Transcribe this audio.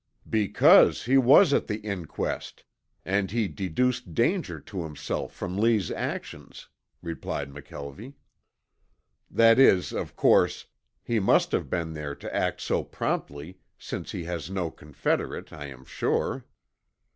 "Because he was at the inquest, and he deduced danger to himself from Lee's actions," replied McKelvie. "That is, of course, he must have been there to act so promptly since he has no confederate, I am sure.